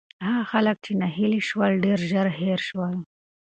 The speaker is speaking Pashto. هغه خلک چې ناهیلي شول، ډېر ژر هېر شول.